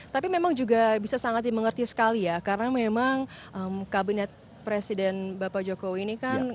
tapi memang juga bisa sangat dimengerti sekali ya karena memang kabinet presiden bapak jokowi ini kan